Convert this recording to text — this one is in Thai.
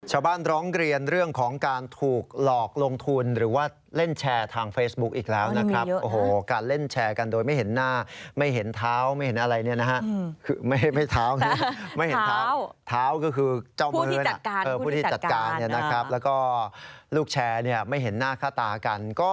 ชาวบ้านร้องเรียนเรื่องของการถูกหลอก